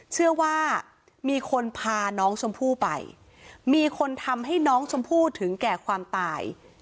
เชื่อว่ามีคนพาน้องชมพู่ไปมีคนทำให้น้องชมพู่ถึงแก่ความตาย